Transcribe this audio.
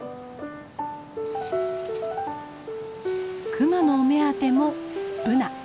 クマのお目当てもブナ。